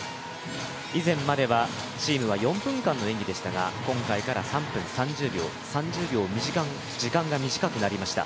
以前まではチームは４分間の演技ですが今回は３分３０秒、３０秒、時間が短くなりました。